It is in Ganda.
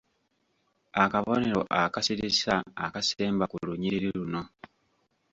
Akabonero akasirisa akasemba ku lunyiriri luno.